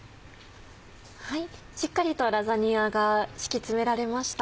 しっかりとラザニアが敷き詰められました。